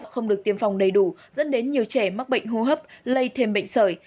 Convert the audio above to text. không được tiêm phòng đầy đủ dẫn đến nhiều trẻ mắc bệnh hô hấp lây thêm bệnh sởi